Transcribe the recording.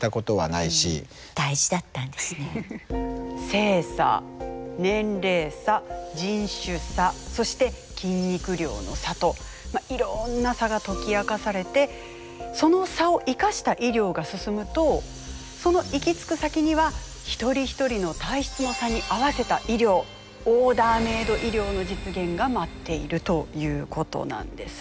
性差年齢差人種差そして筋肉量の差といろんな差が解き明かされてその差を生かした医療が進むとその行き着く先には一人一人の体質の差に合わせた医療オーダーメイド医療の実現が待っているということなんです。